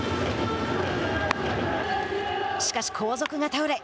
しかし、後続が倒れ